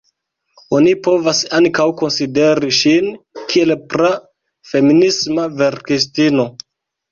Oni povas ankaŭ konsideri ŝin kiel pra-feminisma verkistino.